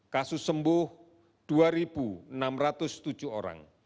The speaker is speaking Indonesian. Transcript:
kasus sembuh dua enam ratus tujuh orang